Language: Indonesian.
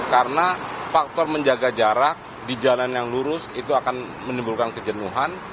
karena faktor menjaga jarak di jalan yang lurus itu akan menimbulkan kejenuhan